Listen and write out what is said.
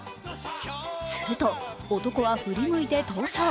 すると、男は振り向いて逃走。